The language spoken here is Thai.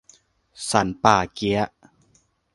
สันป่าเกี๊ยะ